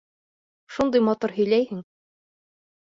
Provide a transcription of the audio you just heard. Шундай матур һөйләйһең.